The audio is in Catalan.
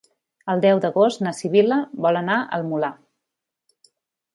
El deu d'agost na Sibil·la vol anar al Molar.